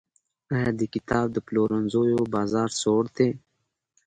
آیا د کتاب پلورنځیو بازار سوړ دی؟